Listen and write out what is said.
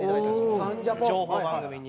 情報番組に。